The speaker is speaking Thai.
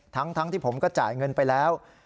ทั้งที่ผมก็จ่ายเงินไปแล้ว